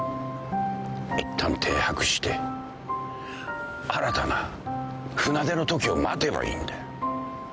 いったん停泊して新たな船出のときを待てばいいんだ。